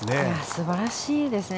素晴らしいですね。